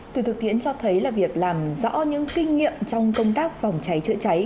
từ thực tiễn cho thấy là việc làm rõ những kinh nghiệm trong công tác phòng cháy chữa cháy